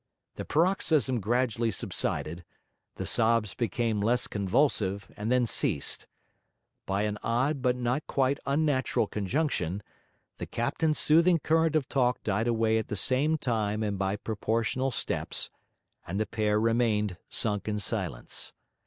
The paroxysm gradually subsided, the sobs became less convulsive and then ceased; by an odd but not quite unnatural conjunction, the captain's soothing current of talk died away at the same time and by proportional steps, and the pair remained sunk in silence.